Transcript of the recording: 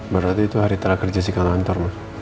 berarti itu hari terakhir jessica nantur mah